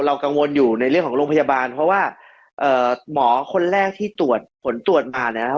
กังวลอยู่ในเรื่องของโรงพยาบาลเพราะว่าหมอคนแรกที่ตรวจผลตรวจผ่านนะครับ